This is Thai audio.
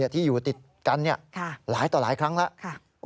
ที่อยู่ติดกันหลายต่อหลายครั้งแล้ว